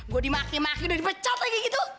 gue dimaki maki udah dipecat lagi gitu